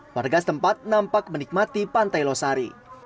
warga setempat nampak menikmati pantai losari